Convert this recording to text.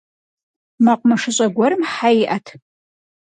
Мэкъумэшыщӏэ гуэрым хьэ иӏэт.